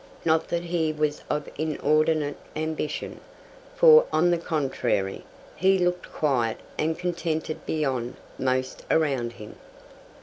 Not that he was of inordinate ambition; for, on the contrary, he looked quiet and contented beyond most around him.